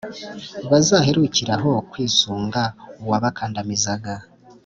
bazaherukire aho kwisunga uwabakandamizaga,